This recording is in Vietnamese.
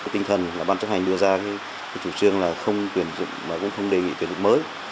tinh thần bản chấp hành đưa ra chủ trương không quyền dụng không đề nghị quyền dụng mới